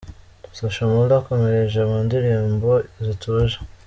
Social Mula akomereje mu ndirimbo zituje.